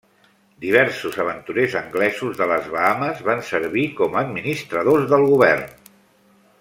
Diversos aventurers anglesos de les Bahames van servir com a administradors del govern.